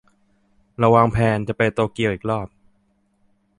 เราวางแพลนจะไปโตเกียวอีกรอบ